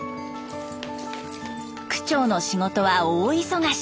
区長の仕事は大忙し。